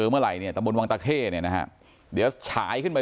เมื่อไหร่เนี่ยตะบนวังตะเข้เนี่ยนะฮะเดี๋ยวฉายขึ้นไป